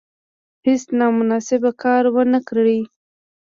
هیڅ نامناسب کار ونه کړي.